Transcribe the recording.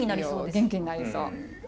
元気になりそうですね。